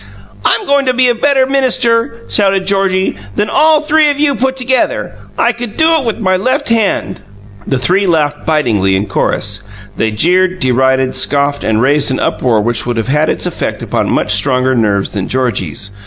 "I'm going to be a better minister," shouted Georgie, "than all three of you put together. I could do it with my left hand!" The three laughed bitingly in chorus. They jeered, derided, scoffed, and raised an uproar which would have had its effect upon much stronger nerves than Georgie's.